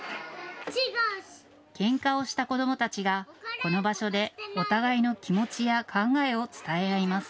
けんかをした子どもたちがこの場所でお互いの気持ちや考えを伝え合います。